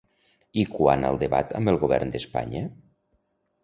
I quant al debat amb el govern d'Espanya?